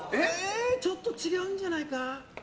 ちょっと違うんじゃないか。